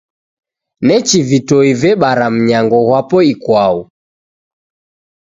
Nechi vitoi vebara mnyango ghwapo ikwau.